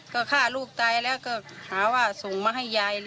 ก็ฆ่าลูกตายแล้วก็หาว่าส่งมาให้ยาย